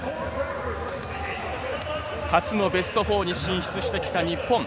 初のベスト４に進出してきた日本。